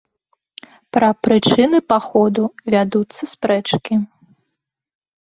Пра прычыны паходу вядуцца спрэчкі.